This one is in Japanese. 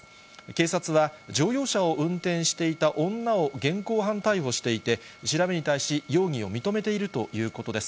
警察は、乗用車を運転していた女を現行犯逮捕していて、調べに対し、容疑を認めているということです。